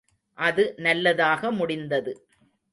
அது நல்லதாக முடிந்தது.